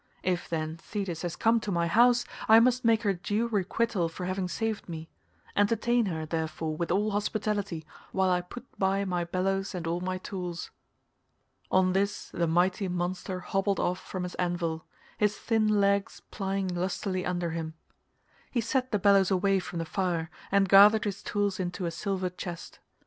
If, then, Thetis has come to my house I must make her due requital for having saved me; entertain her, therefore, with all hospitality, while I put by my bellows and all my tools." On this the mighty monster hobbled off from his anvil, his thin legs plying lustily under him. He set the bellows away from the fire, and gathered his tools into a silver chest.